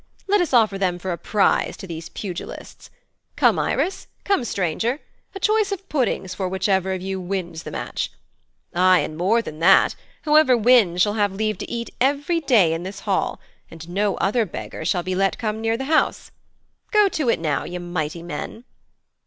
'Let us offer them for a prize to these pugilists. Come, Irus. Come, stranger. A choice of puddings for whichever of you wins the match. Aye, and more than that. Whoever wins shall have leave to eat every day in this hall, and no other beggar shall be let come near the house. Go to it now, ye mighty men.'